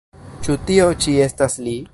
Ĉu tio ĉi estas li?